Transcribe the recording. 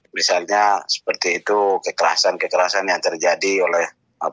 misalnya seperti itu kekerasan kekerasan yang terjadi oleh